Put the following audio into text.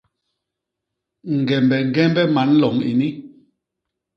Ñgembe ñgembe man loñ ini.